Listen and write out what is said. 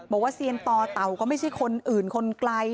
บอกว่าเซียนตอเตาก็ไม่ใช่คนอื่นคนไกล